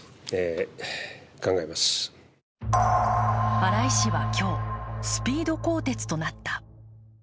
荒井氏は今日、スピード更迭となった。